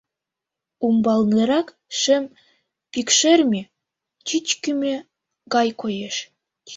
Умбалнырак шем пӱкшерме чӱчкымӧ гай коеш.